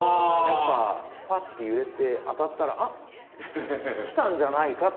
やっぱふぁっとゆれてあたったらあっきたんじゃないか。